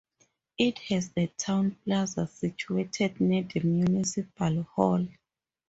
It has a town plaza situated near the municipal hall.